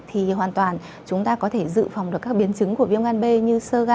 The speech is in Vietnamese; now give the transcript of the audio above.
thì hoàn toàn chúng ta có thể dự phòng được các biến chứng của viêm gan b như sơ ga